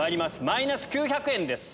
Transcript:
マイナス９００円です。